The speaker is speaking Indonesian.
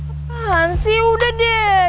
apaan sih udah deh